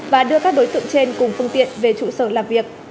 và đưa các đối tượng trên cùng phương tiện về trụ sở làm việc